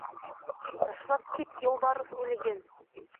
Ташлап кит юлбарыҫ үлеген!